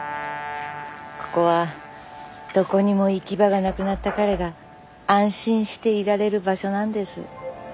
ここはどこにも行き場がなくなった彼が安心していられる場所なんです。